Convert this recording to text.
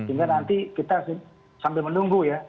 sehingga nanti kita sambil menunggu ya